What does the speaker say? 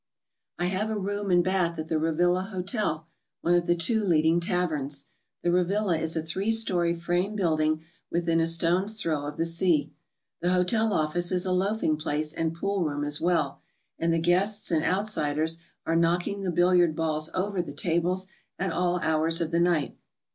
I have a room and bath at the Revilla Hotel, one of the two leading taverns. The Revilla is a three story frame building within a stone's throw of the sea. The hotel office is a loafing place and poolroom as well, and the guests and outsiders are knocking the billiard balls over the tables at all hours of the night.